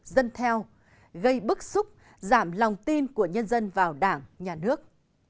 dân theo gây bức xúc giảm lòng tin của nhân dân vào đảng nhà nước